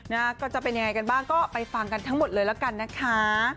นะฮะก็จะเป็นยังไงกันบ้างก็ไปฟังกันทั้งหมดเลยแล้วกันนะคะ